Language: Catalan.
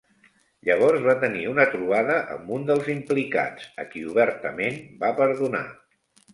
Llavors va tenir una trobada amb un dels implicats, a qui obertament va perdonar.